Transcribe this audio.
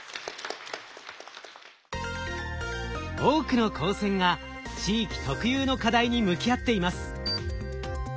多くの高専が地域特有の課題に向き合っています。